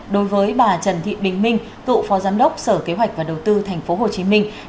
đối với bà trần thị bình minh cựu phó giám đốc sở kế hoạch và đầu tư tp hồ chí minh